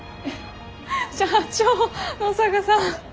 社長野坂さん。